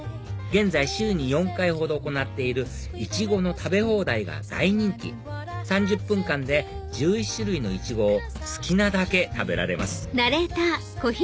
現在週に４回ほど行っているイチゴの食べ放題が大人気３０分間で１１種類のイチゴを好きなだけ食べられます